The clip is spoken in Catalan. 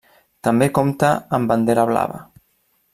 També compta amb Bandera Blava.